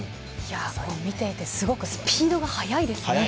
見ていてすごくスピードが速いですね。